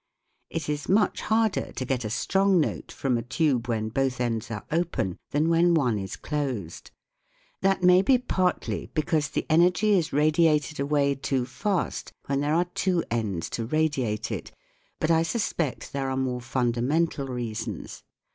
It is much harder to get a strong note from a tube when both ends are open than when one is closed : that may be partly because the energy is radiated away too fast when there are two ends to radiate it, but I suspect there are more fundamental reasons.